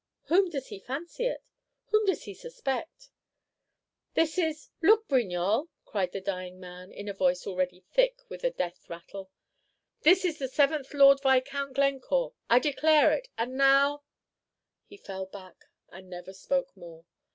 "Whom does he fancy it? Whom does he suspect?" "This is look, Brignolles," cried the dying man, in a voice already thick with a death rattle, "this is the seventh Lord Viscount Glencore. I declare it. And now " He fell back, and never spoke more.